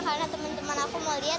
karena teman teman aku mau liat